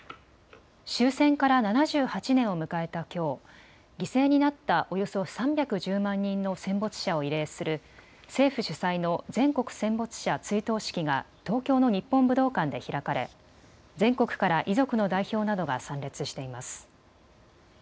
終戦から７８年を迎えたきょう、犠牲になったおよそ３１０万人の戦没者を慰霊する政府主催の全国戦没者追悼式が東京の日本武道館で開かれ全国から遺族の代表などが参列しています。